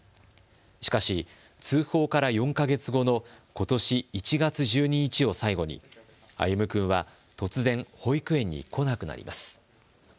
しかし通報から４か月後のことし１月１２日を最後に歩夢君は突然、保育園に来なくなります。